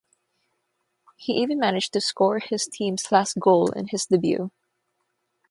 He even managed to score his team's last goal in his debut.